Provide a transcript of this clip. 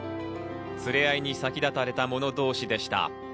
連れ合いに先立たれたもの同士でした。